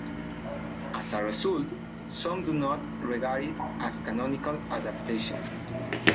As a result, some do not regard it as a canonical adaptation.